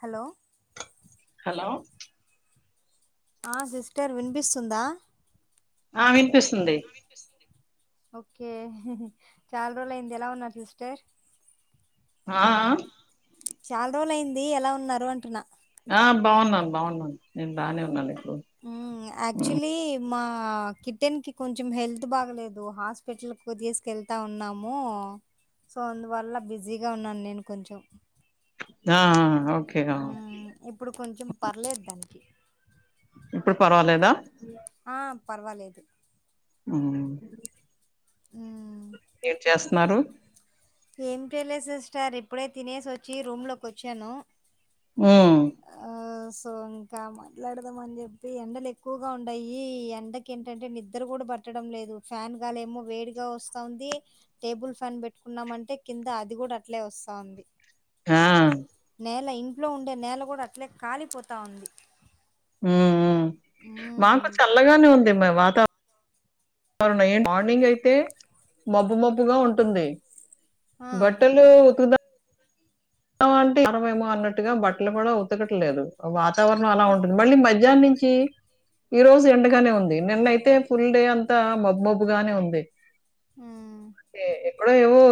Hello hello అ sister వినిపిస్తుందా ఆ వినిపిస్తుంది ఓకే చాలా రోజులుయింది ఎలా ఉన్నారు సిస్టర్ ఆ చాలా రోజులు అయింది ఎలా ఉన్నారు అంటున్నా ఆ బాగున్నాను బాగున్నాను నేను బానే ఉన్నాలే ఉమ్మ్ యాక్చుల్లీ మా ఆ కిటెన్కి కొంచెం హెల్త్ బాగలేదు హాస్పిటల్ కు తీసుకెళ్తా ఉన్నాము సో అందువల్ల బిజీగా ఉన్నాను నేను కొంచెం ఆ ఓకే ఉ ఇప్పుడు కొంచెం పర్లేదు దానికి ఇప్పుడు పర్వాలేదా ఆ పర్వాలేదు మ్ మ్ మీరు చేస్తున్నారు ఏం చేయలేదు సిస్టర్ ఇప్పుడే తినేసి వచ్చి రూమ్ లోకి వచ్చాను ఆ ఆ సో ఇంకా మాట్లాడదాం అని చెప్పి ఎండలు ఎక్కువగా ఉన్నాయి ఎండకి ఏంటంటే నిద్ర కూడా బట్టడం లేదు ఫ్యాన్ గాలి ఏమో వేడిగా వస్తంది టేబుల్ ఫ్యాన్ పెట్టుకు కున్నామంటే కింద అది కూడా అట్లే వస్తుంది ఆ నేల ఇం ఇంట్లో ఉండే నేల కూడా అట్లే కాలిపోతా ఉంది ఆ మాకు ఉమ్ చల్లగానే ఉంది వాతవరణం నై మార్నింగ్ అయితే మబ్బు మబ్బుగా ఉంటుంది ఆ బట్టలుతుందా ఉంట మనమేమో అన్నట్టుగా బట్టలు కూడా ఉతకట్లేదు వా వాతారణం అలా ఉంటంది మళ్ళ మధ్యా్ంంచి చే ఈ రోజు ఎండగానే ఉంది నిన్నయితే ఫుల్ డే అంతా మ బబ్బుగానే ఉంది ఉమ్ అ ఇప్పుడ ఏవో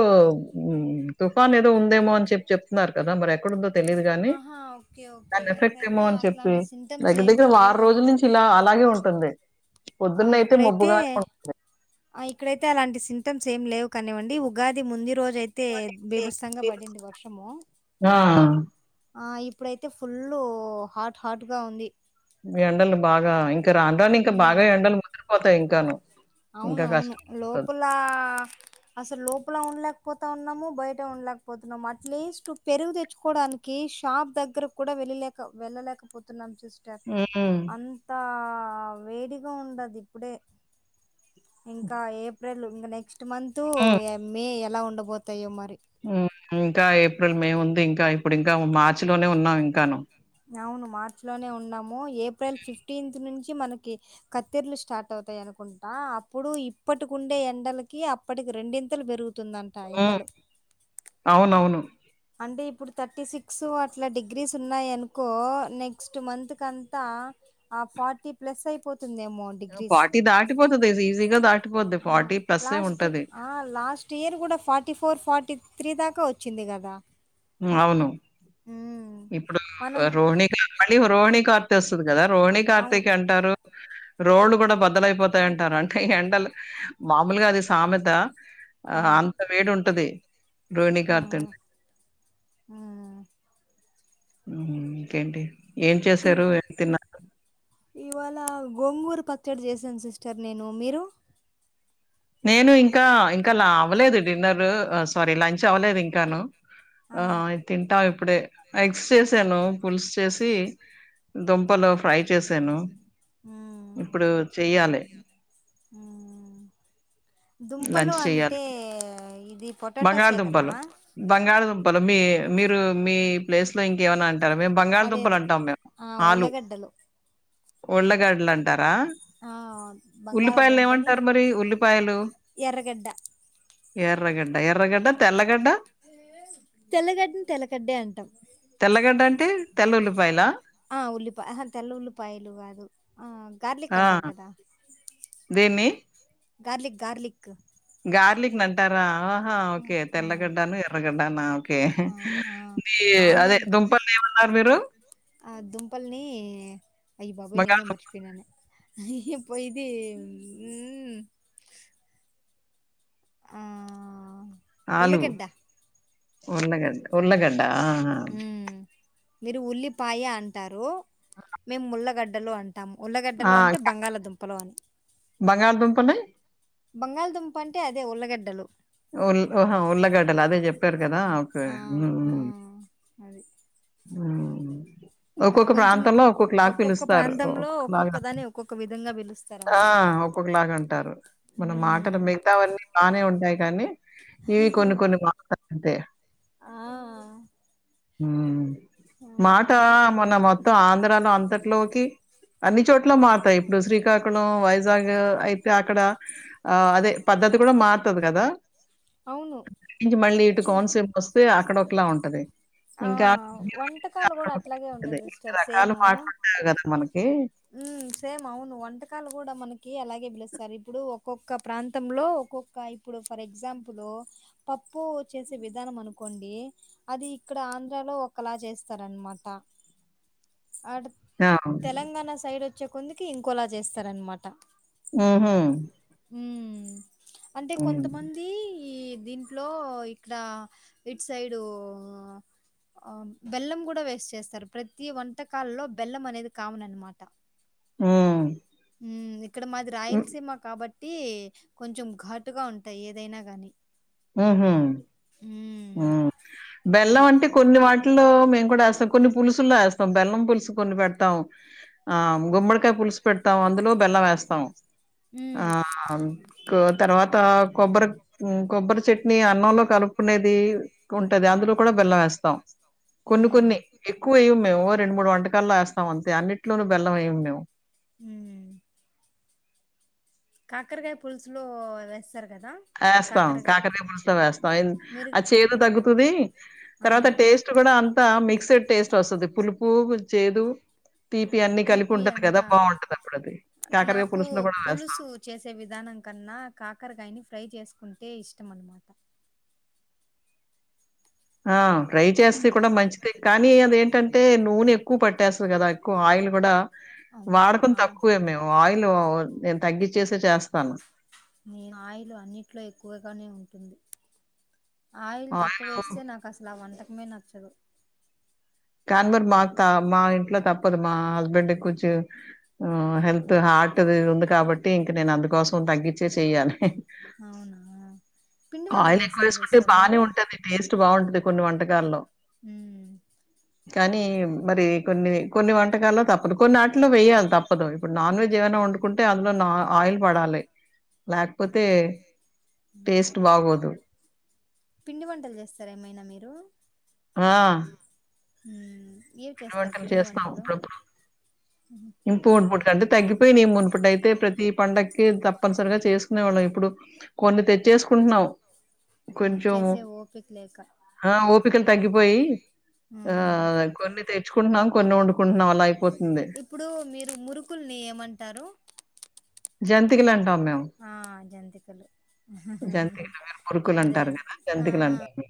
తుఫాన్ ఉంది మోన్ంచి చెప్తున్నారు కదా మరి ఎక్కడుందో తెలిదు కాగాని ఆహా ఓకే ఓకే దాని ఎఫెక్ట్ ఏమో ఇక్కడైతే అని చెప్పి అట్లాంటి సింటమ్స్ దగ్గర ఏమీ దగ్గర లేవు వారం గా రోజుల నుంచి ఇలా అలాగే ఉంటుంది ఆ పొద్దున్నయితే ఇక్కడైతే మొబ్బుగానే ఉంటుంది ఆ ఇక్కడైతే అలాంటి సింటమ్స్ ఏం లేవు కానివ్వండి ఉగాది ముందు ఈ రోజ అయితే బీభత్సంగా పడింది వర్షము ఆ! ఆ ఇప్పుడైతే ఫుల్ హాట్ హాట్ గా ఉంది మీ ఎండలు బాగా ఇంకా రాన్ రాన్ ఇంకా ఉమ్ బాగా ఎండలు పోతాయి ఇంకాను ఇంకా అవునవును కష్టమైపోతది. లోపల అసలు లోపల ఉండలేకపోతా ఉన్నాము బయట ఉండలేకపోతున్నాం అట్లీస్ట్ పెరుగు తెచ్చుకోవడానికి షాప్ దగ్గరకు కూడా వెళ్ళలేక వెళ్ళలేకపోతున్నాం చస్ట హ్మ్. అంత ఆ వేడిగా ఉండదు ఇప్పుడే ఇంకా ఏ ఇంక నెక్స్ట్ మంతు హ్మ్. మే ఎలా ఉండబోతాయో మ ఇంకా ఏప్రిల్ మే ఉంది ఇంకా ఇప్పుడు ఇంకా మార్చి లోనే ఉన్నాం కను అవును మార్చలోనే ఉన్నాము ఏప్రిల్ ఫిఫ్టీన్త్ నుంచి మనకి కత్త్తెర్లు స్టార్ట్ అవుతాయి అనుకుంటా అప్పుడు ఇప్పటికిండే ఎండలకి అప్పటికి రెండింతలు పెరుగుత హ్మ్ అవునవును అంటే ఇప్పుడు థర్టీ సిక్స్ అట్లా డిగ్రీస్ ఉన్నాయి అనుకో నెక్స్ట్ మంత్ కంతా ఆ ఫార్టీ ప్లస్ అయిపోతు తుందేమో డిగ్రీస్ దాటిపోతది ఈజీగా దాటిపోద్ది. ప్లస్సే లాస్ట్ ఉంటది. లాస్ట్ ఇయర్ కూడా ఫార్టీ ఫోర్ ఫార్టీ త్రీ దాకా వచ్చింది కదా అవును ఉమ్ ఇప్పుడు మనం రోహిణి క్లబ్ అని రోహిణి కార్త వస్తుంది కదా రోహి అవును కార్తిక్ అ- అంటారు రోడ్ కూడా బ బద్దలైపోతాయంటారు అంటే ఎండలు మా మామూలుగా అది సామెత ఆ అవును అంత వేడి ఉంటది రోహిణీ ఉమ్ కార్తున్ ఉమ్ ఉమ్ హు, ఇంకేంటి? ఏం తిన్ చేశారు? ఏం తిన్నారు? లా గోంగూరు పచ్చడి చేశాను సిస్టర్ నేను, మీరు? నేను ఇంకా, ఇంకా ల అవలేదు డిన్నర్ ఆ సారీ లంచ్. చ్ అవలేద ఇంకాను? ఆ, ఆహా తింటామ్ ఇప్ ప్పుడే ఎగ్స్ చేసాను, పల్సు చేసి దుంపలు ఫ్రై చేశాను ఉమ్ ఇప్పుడు చెయ్యాలి ఉమ్ దుంపలు అంటే ఇది బంగాళ పొటాటోసే కదా దుంపలు, బంగాళ దుం పొలం మీ మీరు మీ ప్లేస్ లో ఇంకేమైనా అన్ అంటరు, మేమ్ అదే బంగాలదుుంపలు అదే అంటాం మేము. ఆ ఆలు ఉల్లగడ్డలు ఉళ్ళగడ్లు అంటారా? ఆ, బంగళ ఉల్లిపాయలు దుంపని ఏమంటారు మరి ఎర్రగడ్డ. ఏర్రగడ్ ఎర్ర గడ్డ, తెల్ల గ్ తెల్లగడ్డని తెల్లగడ్డే అంటాం. టె, తెల్ల ఉల్లిపాయలా? ఆ ఉల్లిపాయ, అహా తెల్ల ఉల్లిపాయలు కాదు. ఆ గార్లిక్ అంటారు కదా? దేన్నీ? Garlic, garlic. గార్లిక్ నంటారా? ఆహా ఆ ఓకే, ఆ తెల్లగడ్డను ఎర్రగడ్ టనా కే, ఆ ఆ, మీ అదే ఆనియన్ దుంపల్నేమన్నారు మీరు? ఆ దుంపల్ని బంగాళ దుం ఏం పోయిది ఉమ్ ఆ ఉళ్ళగడ్డ ఉళ్ళగడ్, ఉళ్లగడ్ ఆ హా మ్మ్ మీరు ఉల్లిపాయ అంటారు, మేమ్ ఉల్లగడ్డలు అంట్ టం ఆ ఆ ఉల్లగడ్డలు అంటే క బంగాళదుంపలు అని. బంగాళదుంపని బంగాల్ దుంపంటే అదే ఉల్లగడ్డలు ఉల్హా ఉల్ళగడ్డలా అదే చెప్ ఇప్పకదాకు ఆ అది ఆ ఒక్కొక్క కొంచెం ప్రాంతంలో ఒక్కొ క్లాక్ ఒక్కొక్క పిలుస్తారు ప్రాంతంలో ఒక్కొక్కలాక్ ఒక్కొక్క దాన్ని ఒక్కొక్క విధంగా పిలుస్తారు ఆ అన్నమాట ఒక్కొ క్లాక్ అంటారు మనం మాటలు మిగతా అవన్నీ బాగానే ఉంటాయి కానీ ఇవి కొన్ని కొన్ని మా అంతే ఆ హ ఆ మాట మొన మొత్త అ [unintelligible] తట్లోకి. అన్ని చోట్ల మారుతాయి. ఇప్పుడు శ్రీకాకుళం, వైజాగ్ అయితే అక్కడ ఆ అదే పద్ధతి కూడ మారుతది కదా? అవును మళ్ళీ ఇటు చే కోనసీమకొస్తే, అక్కడ ఒకలా ఉంటది. ఆ ఇంకా వంటకాలు కూడా అట్లాగే ఉంటాయి ఇన్ని సిస్టర్ రకాలు సేమ్ మాటలుంటాయి కదా మనకి సేమ్ అవును వంటకాలు కూడా మనకి అలాగే పిలుస్తారు ఇప్పుడు ఒక్కొక్క ప్రాంతంలో ఒక్కొక్క ఇప్పుడు ఫర్ ఎగ్జాంపుల్ పప్పులో పప్పు చేసే విధానం అనుకోండి అది ఇక్కడ ఆంధ్రాలో ఒకలా చేస్తారనమాట అ ఆ! తెలంగాణ సైడ్ వచ్చి మచ్చ కొందికి ఇంకోలా చేస్తారనమాట ఆహా హ అంటే కొంతమంది ఈ దీంట్లో ఇక్కడ ఇటు సైడు బెల్లం కూడా వేస్ట్ చేస్తారు ప్రతి వంటకాలంలో బెల్లం అనేది కామన్ అనమాట ఆ ఉ ఇక్కడ మాది రాయలసీమ కాబట్టి బట్టి కొంచెం ఘాటుగా ఉంటాయి ఏదైనా గానీ ఆహా హ్మ్. బెల్లం అది. అంటే కొన్ని వాటిల్లో మేము కూడా కొన్ని పులుసులా వేస్తాం బెల్లం పులుసు కొన్ని పెడతాం ఆ గుమ్మడికాయ పులుసు పెడతాం అందులో బెల్లం వేస్తాం ఆ హ్మ్. తర్వాత కొబ్బరి కొబ్బరి చట్నీ అన్నంలో కలుపు కునేది ఉంటది అందులో కూడా బెల్లం వేస్తాం కొన్ని హ్మ్. కొన్ని ఎక్కువ వే్య మేము రెండు మూడు వంటకాల్లో వస్తాం ం అంతే అన్నిట్లోన బెల్లం అే్యము మేము హ కాకరకాయ పులుసులు వస్ ఏస్తాం కాకరీపులుస్తో వేస్తాం ఎన్ మీరు ఆ చేదు తగ్గుతుంది ఆ తర్వాత టేస్ట్ కూడా అంత మిక్సెడ్ టేస్ట్ వస్తుంది పులుపు చేదు తీపి అన్ని కలిపి తీపి ఉంటది కదా! అంతా బావుంటది అప్పుడది. కాకరకాయ నాకు పులుసులో కూడా వేస్తాం. పులుసు చేసే విధానం కన్నా కాకరకాయని ఫ్రై చేసుకో కుంటే ఇష్టం అన్మాట ఆ ఫ్రై చేస్తే కూడా మంచిది కానీ అదేంటంటే నూనె ఎక్కువ పట్టేస్తది కదా ఎక్కువ ఆయిల్ కూడా అవును వాడకం ఆ తక్కువే మేము ఆయిల్ నేను తగ్గించేసే చేస్తాను మీ ఆయిలు అన్నిట్లో ఎక్కువగానే ఉంటుంది ఆయిల్ తక్కువ ఆయిలు వేస్తే నాకు అసలు ఆ వంట మె నచ్చదు కాన్వర్ మాకు త మా ఇంట్లో తప్పదు మా హస్బెండ్ కొంచెం హెల్త్ హార్ట్ది ఇది ఉంది కాబట్టి ఇంక నేను అందుకోసం తగ్గించే చెయ్యాలి అవునా పిండి వంటలు ఆయిల్ ఎక్కువ చేస్తారా వేసుకుంటే తెలుస్తారు బానే మీరు ఉంటది. టేస్ట్ బావుంటది కొన్ని వంటకాల్లో ఉ కానీ మరి కొన్ని కొన్ని వంటకాల్లో తప్పుదు కొన్ని ఇట్లో వెయాలి తప్పదు ఇప్పుడు నాన్వెజ్ ఏమైనా వండు కుంటే అందులో నా ఆయిల్ పడాలి లేకపోతే టేస్ట్ బాగోదు. పిండి వంటలు చేస్తార ఏమైనా మీరు ఆ ఉం ఏవి చేస్తారు పిండి వంటలు ఇంపుడు [unintelligible] అంటే తగ్గిపేనై మునుపుట్ అయితే ప్రతి పండకి తప్పనిసరిగా చేసుకునేవాళ్ళం ఇప్పుడు కొన్ని తె చేసుకుంటున్నాం హ్మ్ కొంచెము చేసే ఓపిక లేక ఆ ఓపికలు తగ్గిపోయి హ్మ్ కొన్ని తెచ్చుకుంటున్నాం కొన్ని వండుకుంటున్నాం అలా అయిపో ఉండే ఇప్పుడు మీరు మురుకుల్ని ఏమంటారు జంతికలు అంటాం మేము ఆ జంతికలు జంతికలు మీరు మురుకులు అదే అదే అంటారు కదా ఆ జంతికలు అంటాం మేము